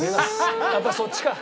やっぱりそっちか。